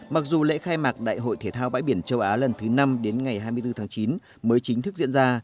mặc dù lễ khai mạc đại hội thể thao bãi biển châu á lần thứ năm đến ngày hai mươi bốn tháng chín mới chính thức diễn ra